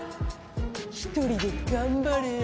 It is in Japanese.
一人で頑張れ！